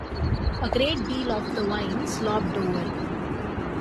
A great deal of the wine slopped over.